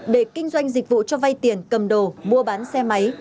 để kinh doanh dịch vụ cho vay tiền cầm đồ mua bán xe máy